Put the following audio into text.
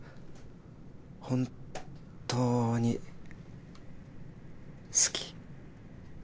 本当に好き。